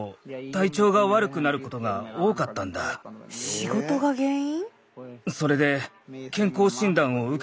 仕事が原因？